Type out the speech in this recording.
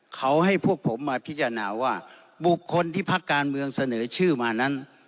เขาให้พวกผมมาพิจารณาว่าบุคคลที่พักการเมืองเสนอชื่อมานั้น